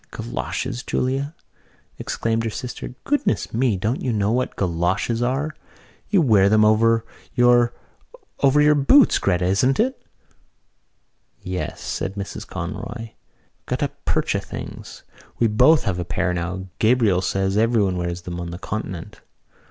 "Goloshes, Julia!" exclaimed her sister. "Goodness me, don't you know what goloshes are? You wear them over your ... over your boots, Gretta, isn't it?" "Yes," said Mrs Conroy. "Guttapercha things. We both have a pair now. Gabriel says everyone wears them on the continent."